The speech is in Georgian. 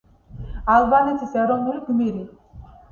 ალბანეთის ეროვნული გმირი.